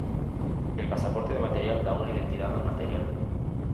El pasaporte de material da una identidad al material.